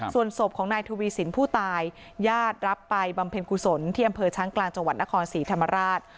ส่วนศพของนายทวีสินผู้ตายญาติรับไปบำเพ็ญกุศลที่อำเภอช้างกลางจังหวัดนครศรีธรรมราช